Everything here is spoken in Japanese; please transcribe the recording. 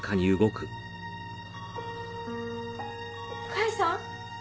甲斐さん？